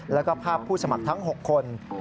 แล้วก็ภาพผู้สมัครทั้ง๖คน